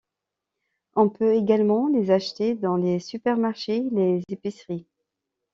On peut également les acheter dans les supermarchés et les épiceries.